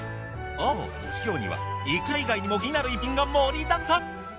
そうはちきょうにはいくら以外にも気になる逸品が盛りだくさん。